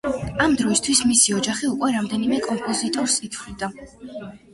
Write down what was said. ამ დროისთვის მისი ოჯახი უკვე რამდენიმე კომპოზიტორს ითვლიდა.